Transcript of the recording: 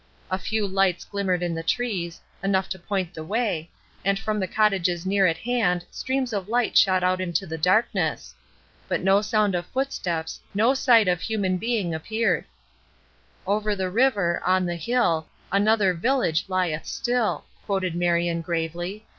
A few lights glimmered in the trees, enough to point the way, and from the cottages near at hand streams of light shot out into the darkness; but no sound of footsteps, no sight of human being appeared "Over the river, on the hill, Another village lieth still," quoted Marion, gravely.